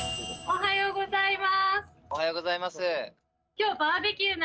おはようございます。